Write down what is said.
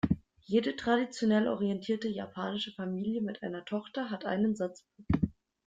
Jede traditionell orientierte japanische Familie mit einer Tochter hat einen Satz Puppen.